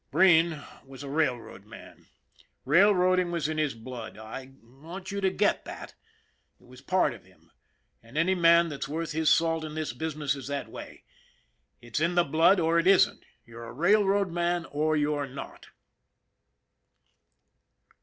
Breen was a railroad man. Railroading was in his blood. I want you to get that. It was part of him. Any man that's worth his salt in this business is that way. It's in the blood or it isn't ; you're a rail road man or you're not.